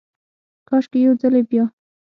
کاشکي ، یو ځلې بیا،